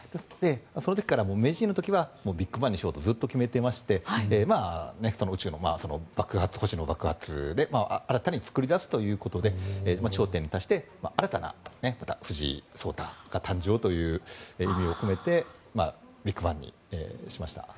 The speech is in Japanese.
その時から名人の時はビッグバンにしようとずっと決めていまして宇宙の星の爆発で新たに作り出すということで頂点に達して、新たな藤井聡太が誕生という意味を込めてビッグバンにしました。